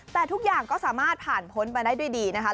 แต่ทุกอย่างก็สามารถผ่านพ้นไปได้ด้วยดีนะคะ